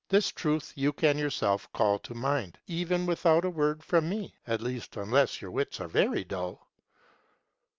This truth you can yourself call to mind even without a word from me, at least unless your wits are very dull.